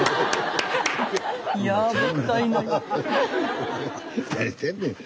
いやもったいない。